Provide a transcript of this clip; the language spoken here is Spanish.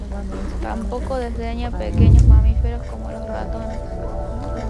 Tampoco desdeña pequeños mamíferos como los ratones.